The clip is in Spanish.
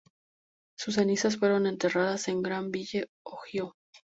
Sus cenizas fueron enterradas en Granville, Ohio.